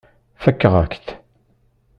Fakeɣ-ak-t.